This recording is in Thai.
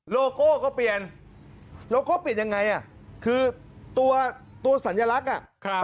โลโก้ก็เปลี่ยนโลโก้เปลี่ยนยังไงอ่ะคือตัวสัญลักษณ์อ่ะ